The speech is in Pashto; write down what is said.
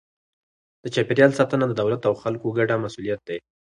د چاپیریال ساتنه د دولت او خلکو ګډه مسئولیت دی.